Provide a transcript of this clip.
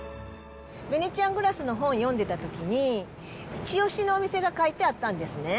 ヴェネツィアングラスの本を読んでいたときに、一押しのお店が書いてあったんですね。